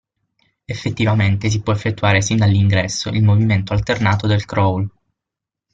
Effettivamente si può effettuare sin dall'ingresso il movimento alternato del crawl.